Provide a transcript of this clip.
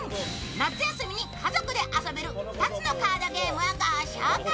夏休みに家族で遊べる２つのカードゲームをご紹介。